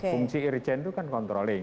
fungsi irjen itu kan controlling